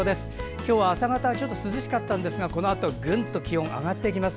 今日は朝方ちょっと涼しかったんですがこのあとぐんと気温が上がっていきます。